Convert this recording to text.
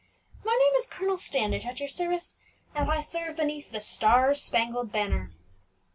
My name is Colonel Standish, at your service, and I serve beneath the star spangled banner."